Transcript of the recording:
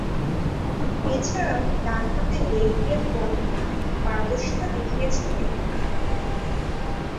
এছাড়াও, ডানহাতে লেগ-ব্রেক বোলিংয়ে পারদর্শীতা দেখিয়েছেন তিনি।